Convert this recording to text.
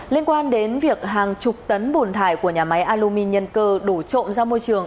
liên quan đến việc hàng chục tấn bùn thải của nhà máy alumin nhân cơ đổ trộm ra môi trường